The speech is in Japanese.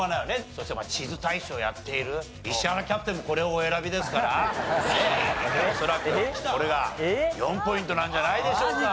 そして地図大使をやっている石原キャプテンもこれをお選びですから恐らくこれが４ポイントなんじゃないでしょうか。